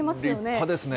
立派ですね。